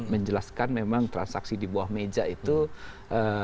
menjelaskan memang transaksi di bawah meja itu adalah benar